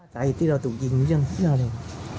ใจที่เราถูกยิงเรื่องเกี่ยวเลย